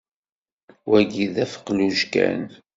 Wagi d afeqluj kan.